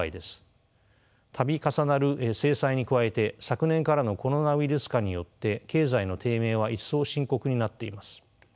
度重なる制裁に加えて昨年からのコロナウイルス禍によって経済の低迷は一層深刻になっています。